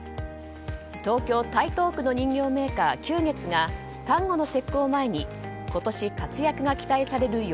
東京・台東区の人形メーカー久月が端午の節句を前に今年活躍が期待される